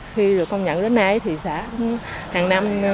khi được công nhận đến nay thì xã hàng năm